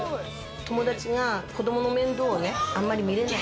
友達が子どもの面倒をね、あんまり見れない。